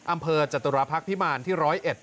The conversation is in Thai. อำเภอจตุรพักษ์ภิรรณพิมาลที่๑๐๑